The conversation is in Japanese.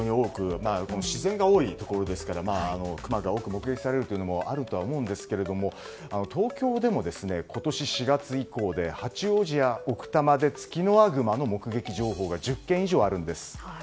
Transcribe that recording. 自然が多いところですからクマが多く目撃されるということもあると思いますが東京でも今年４月以降で八王子や奥多摩でツキノワグマの目撃情報が１０件以上あるんです。